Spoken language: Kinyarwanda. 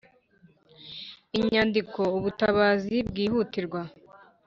inyandiko”ubutabazi bwihutirwa”